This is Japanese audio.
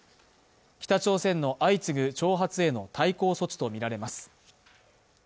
北朝鮮の相次ぐ挑発への対抗措置とみられます。